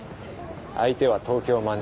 相手は東京卍會。